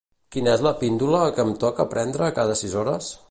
Quina és la píndola que em toca prendre cada sis hores?